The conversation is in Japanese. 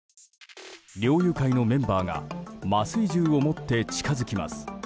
猟友会のメンバーが麻酔銃を持って近づきます。